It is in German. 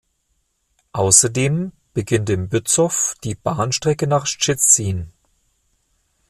Außerdem beginnt in Bützow die Bahnstrecke nach Szczecin.